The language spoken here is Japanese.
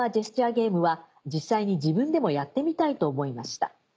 ゲームは実際に自分でもやってみたいと思いました。